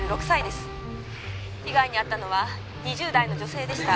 「被害に遭ったのは２０代の女性でした」